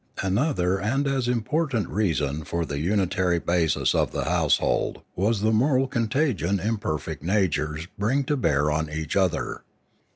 Another and as important reason for the unitary basis of the household was the Ethics 587 moral contagion imperfect natures bring to bear on each other.